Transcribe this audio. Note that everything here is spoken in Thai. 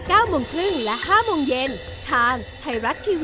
ขอบพระธัย